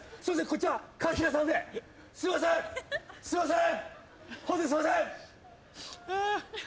すいません。